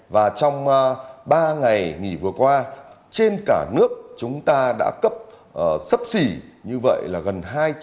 và trong ba ngày nghỉ vừa qua trên cả nước chúng ta đã cấp sấp xỉ như vậy là gần hai trăm linh